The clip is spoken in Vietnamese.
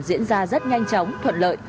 diễn ra rất nhanh chóng thuận lợi